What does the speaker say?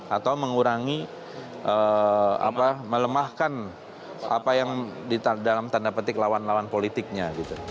atau mengurangi apa melemahkan apa yang dalam tanda petik lawan lawan politiknya